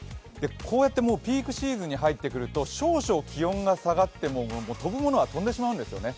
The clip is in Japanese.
こうやってピークシーズンに入ってくると少々気温が下がっても飛ぶものは飛んでしまうんですよね。